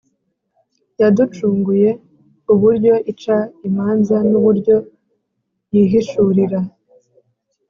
Yaducunguye uburyo ica imanza n uburyo yihishurira